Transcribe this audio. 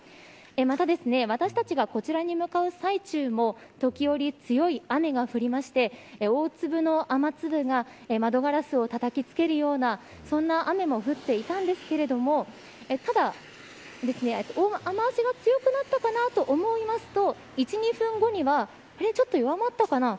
また、私たちがこちらに向かう最中も時折、強い雨が降りまして大粒の雨粒が窓ガラスをたたきつけるようなそんな雨も降っていたんですけれどもただ、雨脚が強くなったかなと思いますと１、２分後にはちょっと弱まったかな。